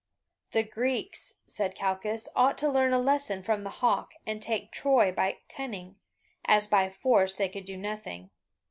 The Greeks, said Calchas, ought to learn a lesson from the hawk, and take Troy by cunning, as by force they could do nothing.